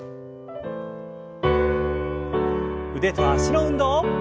腕と脚の運動。